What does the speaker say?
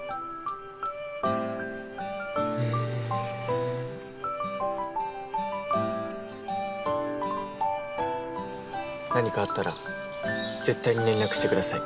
ふん何かあったら絶対に連絡してください。